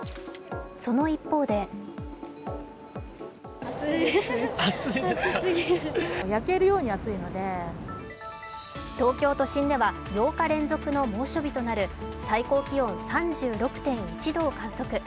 その一方で東京都心では８日連続の猛暑日となる最高気温３６．１度を観測。